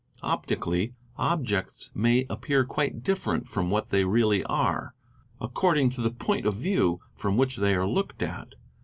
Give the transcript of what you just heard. Optically objects may ' appear quite different from what they really are, according to the point _ of view from which they are looked at.